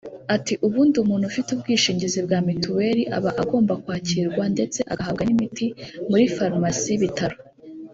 Ati “Ubundi umuntu ufite ubwishingizi bwa mituweli aba agomba kwakirwa ndetse agahabwa n’imiti muri farumasi y’ibitaro